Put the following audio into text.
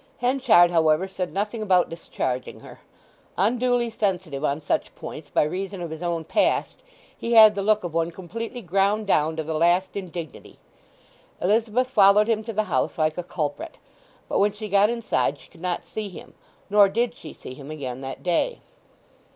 Henchard, however, said nothing about discharging her. Unduly sensitive on such points by reason of his own past, he had the look of one completely ground down to the last indignity. Elizabeth followed him to the house like a culprit; but when she got inside she could not see him. Nor did she see him again that day.